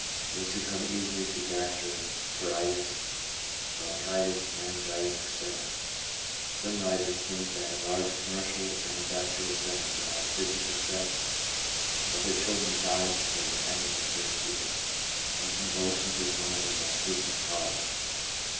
They succumb easily to gastroenteritis, bronchitis, meningitis, etc. Some writers think that in large commercial and industrial centres about fifty per cent, of the children die before the end of the third year, and convulsions is one of the most frequent causes.